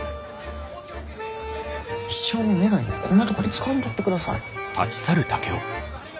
一生の願いをこんなとこで使わんとってください。